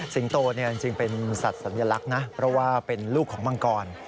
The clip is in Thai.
โตจริงเป็นสัตว์สัญลักษณ์นะเพราะว่าเป็นลูกของมังกร